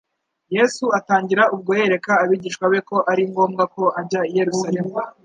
"Yesu atangira ubwo yereka abigishwa be ko ari ngombwa ko ajya i Yerusalemu